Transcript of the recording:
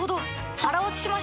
腹落ちしました！